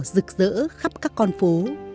rực rỡ khắp các con phố